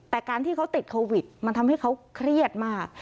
แต่การที่เขาติดโควิดมันทำให้เขาเครียดมาก